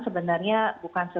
sebenarnya bukan sesuatu